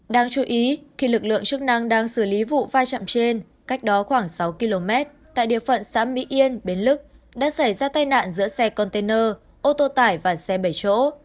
đáng chú ý khi lực lượng chức năng đang xử lý vụ pha chạm trên cách đó khoảng sáu km tại địa phận xã mỹ yên bến lức đã xảy ra tai nạn giữa xe container ô tô tải và xe bảy chỗ